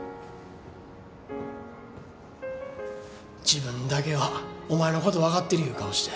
自分だけはお前の事わかってるいう顔して。